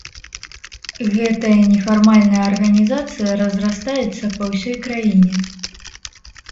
Гэтая нефармальная арганізацыя разрастаецца па ўсёй краіне.